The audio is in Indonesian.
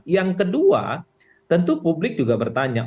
yang kedua tentu publik juga bertanya